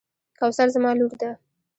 کوثر زما لور ده.